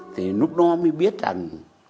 thì lúc đó mới biết rằng